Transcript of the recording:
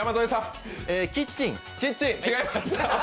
キッチン。